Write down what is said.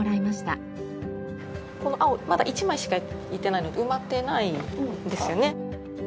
この青まだ１枚しかやってないので埋まってないんですよね。